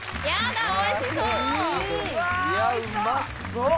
うわおいしそう！